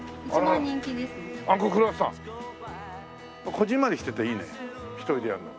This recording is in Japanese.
こぢんまりしてていいね一人でやるの。